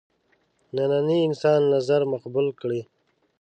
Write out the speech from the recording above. ننني انسان نظر مقبول کړي.